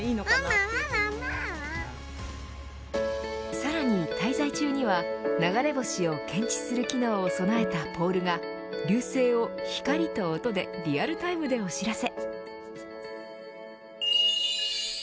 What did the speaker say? さらに滞在中には流れ星を検知する機能を備えたポールが流星を光と音でリアルタイムでお知らせ。